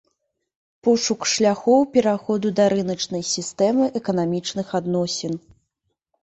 Пошук шляхоў пераходу да рыначнай сістэмы эканамічных адносін.